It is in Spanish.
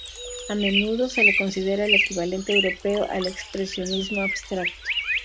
A menudo se le considera el equivalente europeo al expresionismo abstracto.